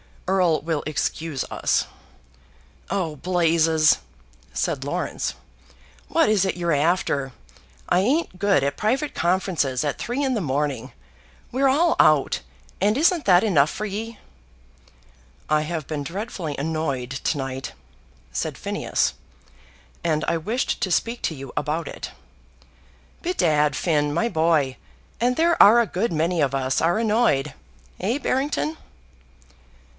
"Erle will excuse us." "Oh, blazes!" said Laurence, "what is it you're after? I ain't good at private conferences at three in the morning. We're all out, and isn't that enough for ye?" "I have been dreadfully annoyed to night," said Phineas, "and I wished to speak to you about it." "Bedad, Finn, my boy, and there are a good many of us are annoyed; eh, Barrington?"